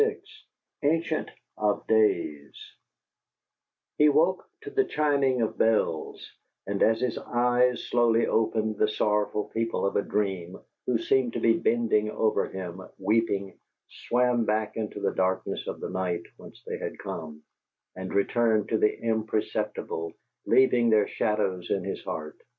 XXVI ANCIENT OF DAYS He woke to the chiming of bells, and, as his eyes slowly opened, the sorrowful people of a dream, who seemed to be bending over him, weeping, swam back into the darkness of the night whence they had come, and returned to the imperceptible, leaving their shadows in his heart.